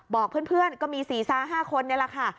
บอกเพื่อนก็มี๔๕คนนี่แหละค่ะ